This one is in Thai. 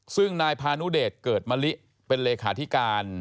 ซึ่งนายพานุเดชเกิดมะลิเป็นเลขาธิการ